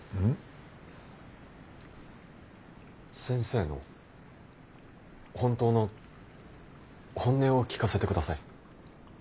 先生の本当の本音を聞かせてください。